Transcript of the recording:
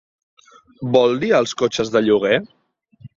Vol dir els cotxes de lloguer?